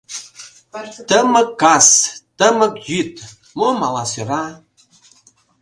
Тымык кас, Тымык йӱд Мом ала сӧра?..